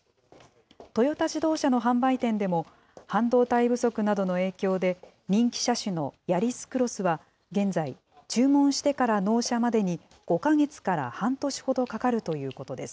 トヨタ自動車の販売店でも、半導体不足などの影響で、人気車種のヤリスクロスは現在、注文してから納車までに、５か月から半年ほどかかるということです。